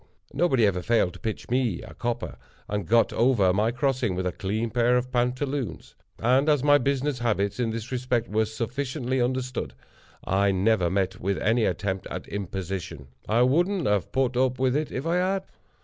Nobody ever failed to pitch me a copper, and got over my crossing with a clean pair of pantaloons. And, as my business habits, in this respect, were sufficiently understood, I never met with any attempt at imposition. I wouldn't have put up with it, if I had.